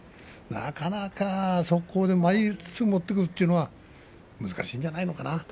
なかなか速攻で前みつを取ってくるというのは難しいんじゃないのかな。